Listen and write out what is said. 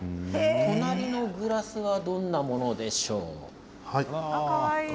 隣のガラスはどんなものでしょうか。